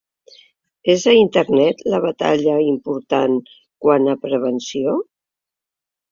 És a internet, la batalla important quant a prevenció?